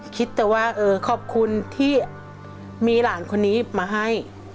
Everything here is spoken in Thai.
คิดแต่ว่าเออขอบคุณที่มีหลานคนนี้มาให้